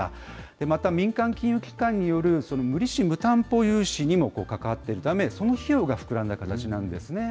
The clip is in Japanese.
また民間金融機関による無利子・無担保融資にも関わっているため、その費用が膨らんだ形なんですね。